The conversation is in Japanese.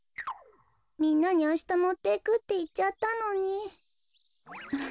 みんなにあしたもっていくっていっちゃったのに。